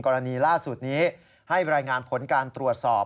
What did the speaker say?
กรณีล่าสุดนี้ให้รายงานผลการตรวจสอบ